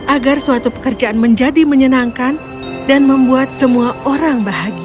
agar suatu pekerjaan menjadi menyenangkan dan membuat semua orang bahagia